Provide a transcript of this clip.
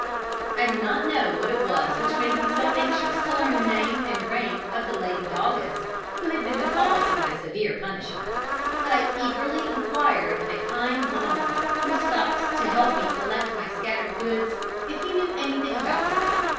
I do not know what it was which made me so anxious to learn the name and rank of the lady doggess who had been the cause of my severe punishment, but I eagerly inquired of a kind mongrel, who stopped to help me collect my scattered goods, if he knew anything about her.